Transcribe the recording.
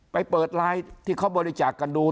ไปเปิดไลน์ที่เขาบริจาคกันดู